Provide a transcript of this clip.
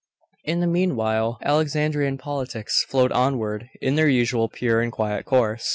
In the meanwhile, Alexandrian politics flowed onward in their usual pure and quiet course.